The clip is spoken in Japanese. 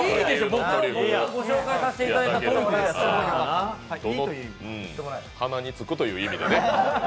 僕がご紹介させていただいたトリュフですから鼻につくという意味でね。